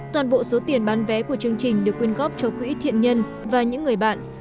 toàn bộ số tiền bán vé của chương trình được quyên góp cho quỹ thiện nhân và những người bạn